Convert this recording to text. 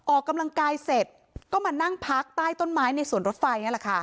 ออกกำลังกายเสร็จก็มานั่งพักใต้ต้นไม้ในสวนรถไฟนั่นแหละค่ะ